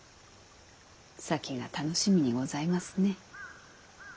先が楽しみにございますね。